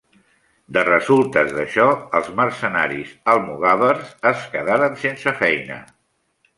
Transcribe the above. De resultes d'això els mercenaris almogàvers es quedaren sense feina.